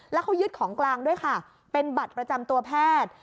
แล้วเขายึดของกลางด้วยค่ะเป็นบัตรประจำตัวแพทย์